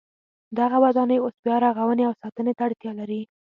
دغه ودانۍ اوس بیا رغونې او ساتنې ته اړتیا لري.